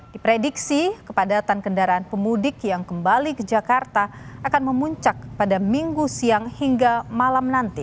diprediksi kepadatan kendaraan pemudik yang kembali ke jakarta akan memuncak pada minggu siang hingga malam nanti